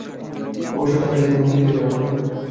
অবশ্য তার আগে তোমাকে লিখে জানাব।